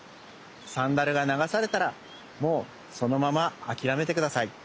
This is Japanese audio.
サンダルが流されたらもうそのままあきらめてください。